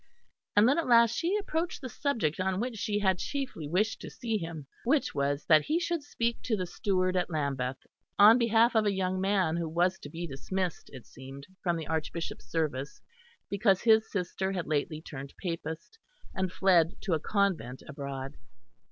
And then at last she approached the subject on which she had chiefly wished to see him which was that he should speak to the steward at Lambeth on behalf of a young man who was to be dismissed, it seemed, from the Archbishop's service, because his sister had lately turned Papist and fled to a convent abroad.